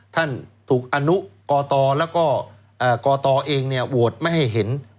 ท่านถูกอนุกตแล้วก็กตเองเนี่ยโหวตไม่ให้เห็น